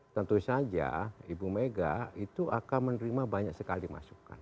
tentu saja ibu mega itu akan menerima banyak sekali masukan